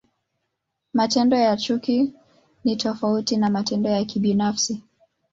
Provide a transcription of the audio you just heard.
Matendo ya chuki ni tofauti na matendo ya kibinafsi.